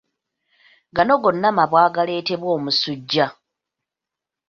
Gano gonna mabwa agaleetebwa omusujja.